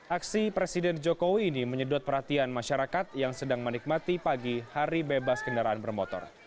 aksi presiden jokowi ini menyedot perhatian masyarakat yang sedang menikmati pagi hari bebas kendaraan bermotor